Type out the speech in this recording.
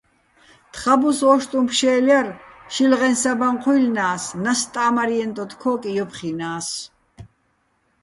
თხაბუს ო́შტუჼ ფშე́ლ ჲარ, შილღეჼ საბაჼ ჴუჲლლნა́ს, ნასტ ტა́მარჲენო ტოტ-ქო́კი ჲოფხჲინა́ს.